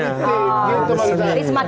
jadi semakin rumit semakin menantang